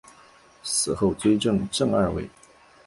死后追赠正二位。